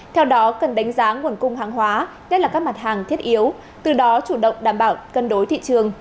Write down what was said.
theo đó cần đánh giá nguồn cung hàng hóa nhất là các mặt hàng thiết yếu từ đó chủ động đảm bảo cân đối thị trường